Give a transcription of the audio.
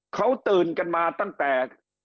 เขาตื่นกันมาตั้งแต่